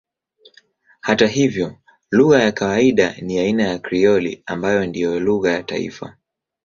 Hata hivyo lugha ya kawaida ni aina ya Krioli ambayo ndiyo lugha ya taifa.